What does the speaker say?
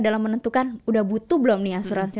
dalam menentukan udah butuh belum nih asuransi